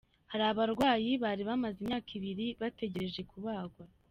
Hari abarwayi bari bamaze imyaka ibiri bategereje kubagwa.